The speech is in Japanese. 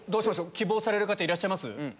希望される方いらっしゃいます？